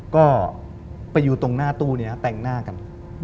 ก็ไปอยู่ตรงหน้าตู้นี้แต่งหน้ากัน